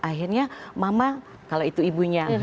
akhirnya mama kalau itu ibunya